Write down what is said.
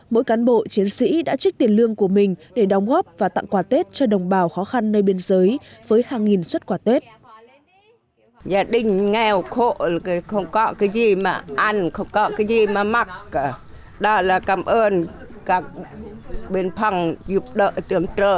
mỗi cán bộ chiến sĩ đã trích tiền lương của mình để đóng góp và tặng quà tết cho đồng bào khó khăn nơi biên giới với hàng nghìn xuất quà tết